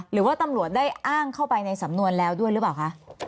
หรือว่าตำรวจได้อ้างเข้าไปในสำนวนแล้วด้วยหรือเปล่าคะ